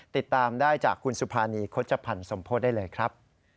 ติดตามได้จากคุณสุภานีโฆษภัณฑ์สมโพธิได้เลยครับ